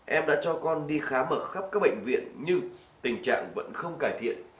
em đã cho con đi khám ở khắp các bệnh viện nhưng tình trạng vẫn không cải thiện